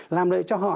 làm lợi cho họ